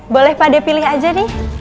boleh pak d pilih aja nih